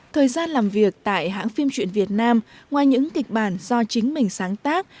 thời gian làm việc tại hãng phim truyện việt nam ngoài những kịch bản do chính mình sáng tác